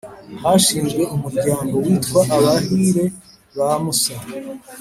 Hashinzwe Umuryango witwa Abahire ba musa